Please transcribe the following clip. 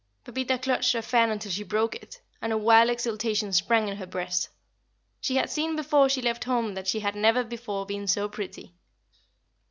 Pepita clutched her fan until she broke it, and a wild exultation sprang in her breast. She had seen before she left home that she had never before been so pretty.